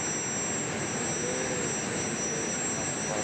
এটি অন্যদের একই নামে মিষ্টি তৈরি করতে বা নামকরণ করতে বাধা দিয়েছে।